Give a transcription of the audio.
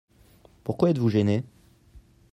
Pourquoi êtes-vous gêné ?